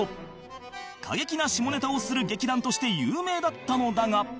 過激な下ネタをする劇団として有名だったのだが